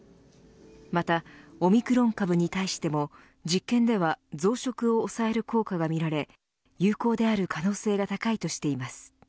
またオミクロン株に対しても実験では増殖を抑える効果がみられ有効である可能性が高いとしています。